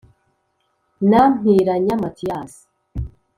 na Mpiranya Mathias